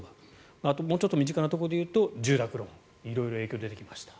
あともうちょっと身近なところで言うと、住宅ローン色々影響が出てきました。